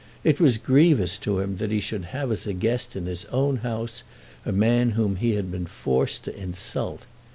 It was grievous to him that he should have as a guest in his own house a man whom he had been forced to insult.